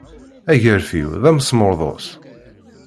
Agarfiw d amesmurḍus.